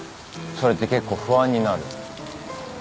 それって結構不安になる。